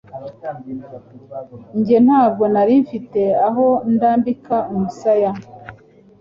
njye ntabwo nari mfite aho ndambika umusaya.